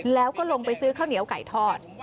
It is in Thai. แล้วก็ลงไปซื้อข้าวเหนียวไก่ทอด